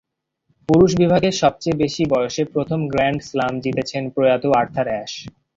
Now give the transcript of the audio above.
পুরুষ বিভাগে সবচেয়ে বেশি বয়সে প্রথম গ্র্যান্ড স্লাম জিতেছেন প্রয়াত আর্থার অ্যাশ।